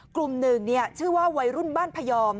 กลุ่มหนึ่งชื่อว่าวัยรุ่นบ้านพยอม